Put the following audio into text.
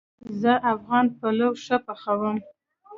زه افغان پلو ښه پخوم